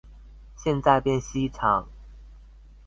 現在變西廠